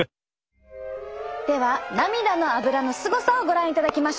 では涙のアブラのすごさをご覧いただきましょう。